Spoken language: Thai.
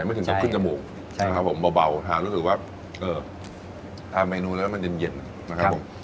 ไม่ถึงกับขึ้นจมูกนะครับผมเบาหารู้สึกว่าทานเมนูแล้วมันเย็นนะครับผม